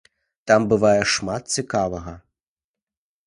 Там бывае шмат цікавага.